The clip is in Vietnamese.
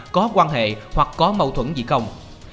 có quan hệ hoặc có mâu thuẫn gì không